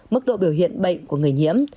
mức độ biểu hiện bệnh của người nhiễm